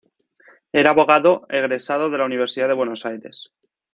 Era abogado egresado de la Universidad de Buenos Aires.